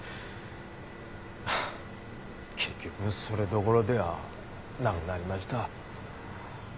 結局それどころではなくなりました。